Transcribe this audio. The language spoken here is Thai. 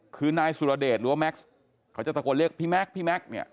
คือนายสุรเดชหรือว่าแม็กซ์เขาจะตะโกนเรียกพี่แม็กซ์พี่แม็กซ์เนี่ย